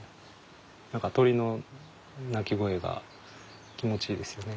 何か鳥の鳴き声が気持ちいいですよね。